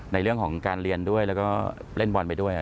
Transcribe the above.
ในเรื่องของการเรียนด้วยแล้วก็เล่นบอลไปด้วย